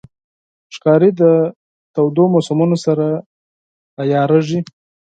ښکاري د تودو موسمونو سره عیارېږي.